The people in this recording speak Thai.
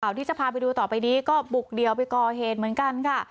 ที่จะพาไปดูต่อไปนี้ก็บุกเดี่ยวไปก่อเหตุเหมือนกันค่ะ